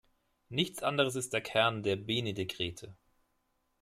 Nichts anderes ist der Kern der Bene?-Dekrete.